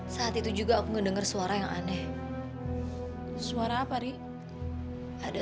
sampai jumpa di video selanjutnya